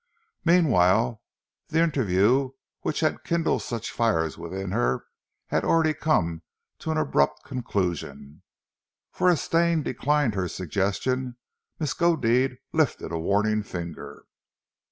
Meanwhile, the interview which had kindled such fires within her had already come to an abrupt conclusion. For as Stane declined her suggestion Miskodeed lifted a warning finger.